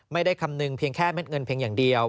ไม่ได้คำนึงเพียงแค่เม็ดเงินเพียงอย่างเดียว